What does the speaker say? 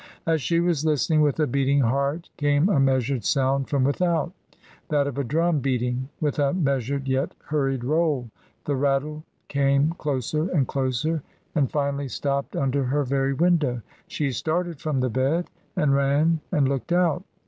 As she was listening with a beating heart came a measured sound from without, that of a drum beating with a measured yet hurried roll; the rattle came closer and closer, and finally stopped under her very window. She started from the bed and ran and looked out.